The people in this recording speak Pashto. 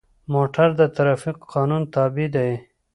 موټر د ټرافیکو قانون تابع دی.